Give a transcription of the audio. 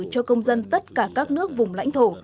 cho công dân tất cả các nước vùng lãnh thổ